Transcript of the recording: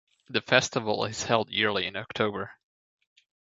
The festival is held yearly in October.